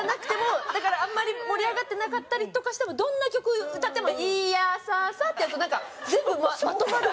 だからあんまり盛り上がってなかったりとかしてもどんな曲歌っても「イーヤーサーサー」ってやるとなんか全部まとまる。